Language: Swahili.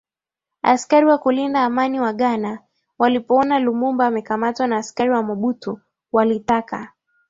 Askari wa kulinda amani wa Ghana walipoona Lumumba amekamatwa na askari wa Mobutu walitaka